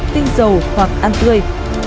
tinh dầu hoặc ăn tươi